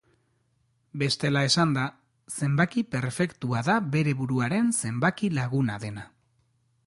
Bestela esanda, zenbaki perfektua da bere buruaren zenbaki laguna dena.